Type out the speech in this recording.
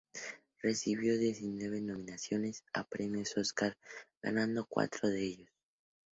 Recibió diecinueve nominaciones a los Premios Óscar, ganando cuatro de ellos.